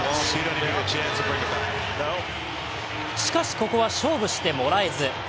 しかし、ここは勝負してもらえず。